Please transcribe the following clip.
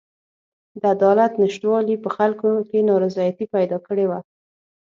د عدالت نشتوالي په خلکو کې نارضایتي پیدا کړې وه.